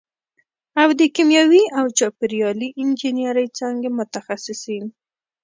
او د کیمیاوي او چاپېریالي انجینرۍ څانګې متخصصین